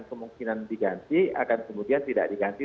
kemungkinan diganti akan kemudian tidak diganti